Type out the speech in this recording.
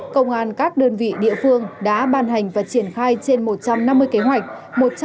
công an các đơn vị địa phương đã ban hành và triển khai trên một trăm năm mươi kế hoạch